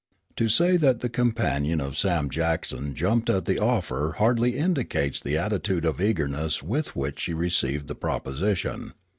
To say that the companion of Sam Jackson jumped at the offer hardly indicates the attitude of eagerness with which she received the proposition.